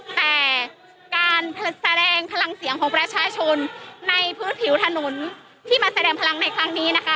แต่การแสดงพลังเสียงของประชาชนในพื้นผิวถนนที่มาแสดงพลังในครั้งนี้นะคะ